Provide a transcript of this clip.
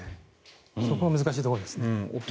そこが難しいところです。